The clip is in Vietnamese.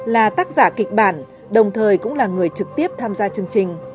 là tác giả kịch bản đồng thời cũng là người trực tiếp tham gia chương trình